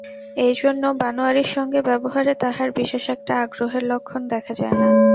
এইজন্য বনোয়ারির সঙ্গে ব্যবহারে তাহার বিশেষ একটা আগ্রহের লক্ষণ দেখা যায় না।